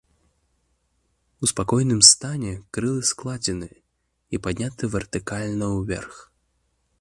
У спакойным стане крылы складзены і падняты вертыкальна ўверх.